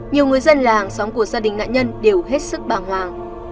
nhiều người dân là hàng xóm của gia đình nạn nhân đều hết sức bảng hoàng